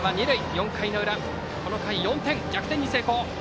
４回の裏、この回４点で逆転に成功。